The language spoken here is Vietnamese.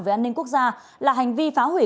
về an ninh quốc gia là hành vi phá hủy